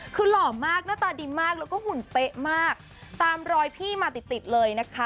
คือหล่อมากหน้าตาดีมากแล้วก็หุ่นเป๊ะมากตามรอยพี่มาติดติดเลยนะคะ